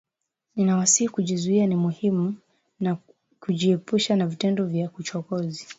Ninawasihi kujizuia na ni muhimu kujiepusha na vitendo vya uchokozi